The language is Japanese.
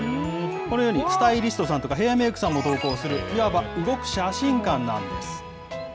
このように、スタイリストさんとか、ヘアメークさんも同行する、いわば動く写真館なんです。